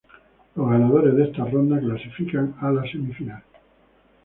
Los ganadores de esta ronda clasifican a la semifinal.